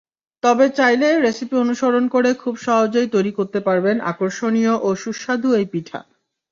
তবে চাইলে রেসিপি অনুসরণ করেখুব সহজেই তৈরি করতে পারবেন আকর্ষণীয় ও সুস্বাদু এই পিঠা।